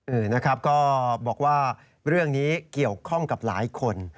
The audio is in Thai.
เออนะครับก็บอกว่าเรื่องนี้เกี่ยวข้องกับหลายคน